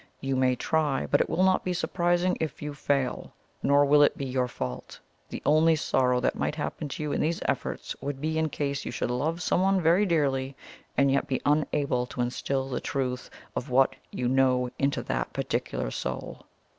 You may try, but it will not be surprising if you fail. Nor will it be your fault. The only sorrow that might happen to you in these efforts would be in case you should love someone very dearly, and yet be unable to instil the truth of what yon know into that particular soul.